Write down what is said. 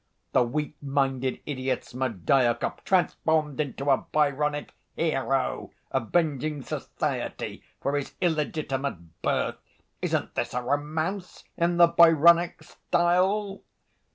The weak‐minded idiot, Smerdyakov, transformed into a Byronic hero, avenging society for his illegitimate birth—isn't this a romance in the Byronic style?